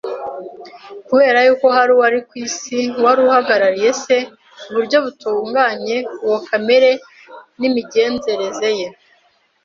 kubera yuko hari uwari ku isi wari uhagarariye Se ku buryo butunganye, uwo kamere n’imigenzereze ye